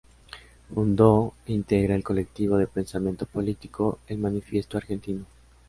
Fundó e integra el colectivo de pensamiento político "El Manifiesto Argentino".